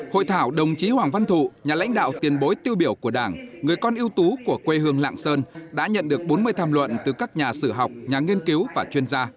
hội thảo đồng chí hoàng văn thụ nhà lãnh đạo tiền bối tiêu biểu của đảng người con ưu tú của quê hương lạng sơn đã nhận được bốn mươi tham luận từ các nhà sử học nhà nghiên cứu và chuyên gia